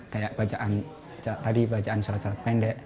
kayak bacaan tadi bacaan surat surat pendek